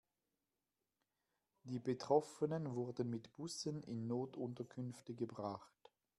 Die Betroffenen wurden mit Bussen in Notunterkünfte gebracht.